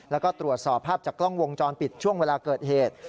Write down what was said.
แล้วก็ตรวจสอบภาพจากกล้องวงจรปิดช่วงเวลาเกิดเหตุ